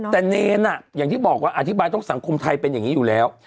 แต่เนรอย่างที่บอกว่าอธิบายต้องสังคมไทยเป็นอย่างนี้อยู่แล้ว